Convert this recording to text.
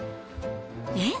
えっ？